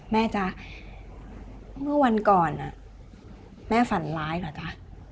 จ๊ะเมื่อวันก่อนแม่ฝันร้ายเหรอจ๊ะ